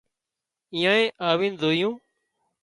ايئانئي آوين زويون